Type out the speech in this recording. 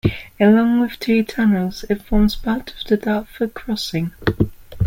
Along with two tunnels, it forms part of the Dartford Crossing.